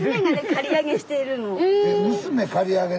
刈り上げしてる。